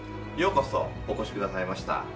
ようこそお越しくださいました。